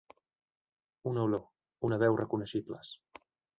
Una olor, una veu reconeixibles.